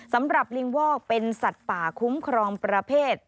สำหรับลิงวอกเป็นสัตว์ป่าคุ้มครองประเภท